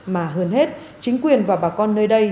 mà hơn hết chính quyền và bà con nơi đây